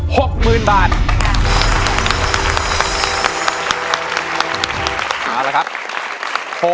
๖หมื่นบาท